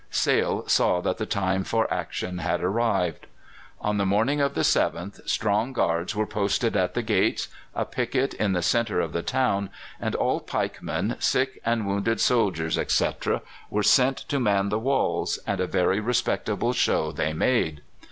Sale saw that the time for action had arrived. On the morning of the 7th strong guards were posted at the gates, a picket in the centre of the town, and all pikemen, sick and wounded soldiers, etc., were sent to man the walls, and a very respectable show they made.